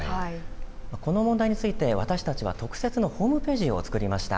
この問題について私たちは特設のホームページを作りました。